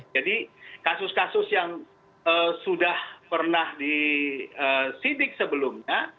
jadi kasus kasus yang sudah pernah disidik sebelumnya